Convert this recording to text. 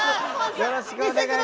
よろしくお願いします。